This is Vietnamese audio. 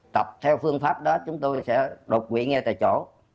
tập theo phương pháp đó chúng tôi sẽ đột quỵ nghe tại chỗ